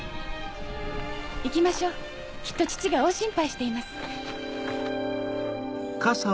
行きましょうきっと父が大心配しています。